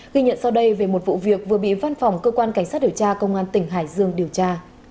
ghi nhận sau đây về một vụ việc vừa bị văn phòng cơ quan cảnh sát điều tra công an tỉnh hải dương điều tra